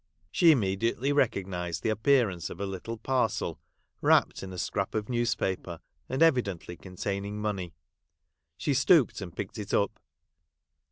She immediately recognised the appear ance of a little parcel, wrapped in a scrap of newspaper, and evidently containing money. She stooped and picked it up.